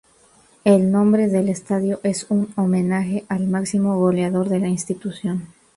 El nombre del estadio es un homenaje al máximo goleador de la institución.